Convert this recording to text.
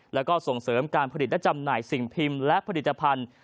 แล้วก็ส่งเสริมการผลิตและจำหน่ายสิ่งพิมพ์และผลิตภัณฑ์